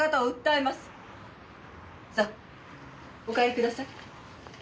さあお帰りください。